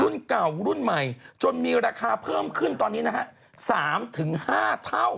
รุ่นเก่ารุ่นใหม่จนมีราคาเพิ่มขึ้นตอนนี้นะฮะ๓๕เท่า